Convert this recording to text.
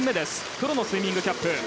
黒のスイミングキャップ。